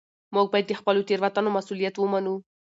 موږ باید د خپلو تېروتنو مسوولیت ومنو